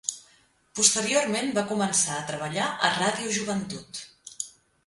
Posteriorment va començar a treballar a Ràdio Joventut.